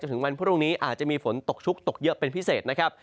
ถึงวันพรุ่งนี้อาจจะมีฝนตกชุกตกเยอะเป็นพิเศษนะครับ